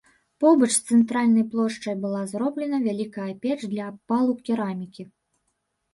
Побач з цэнтральнай плошчай была зроблена вялікая печ для абпалу керамікі.